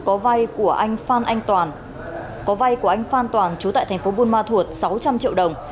có vai của anh phan anh toàn chú tại thành phố buôn ma thuột sáu trăm linh triệu đồng